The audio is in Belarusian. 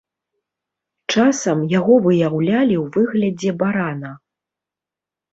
Часам, яго выяўлялі ў выглядзе барана.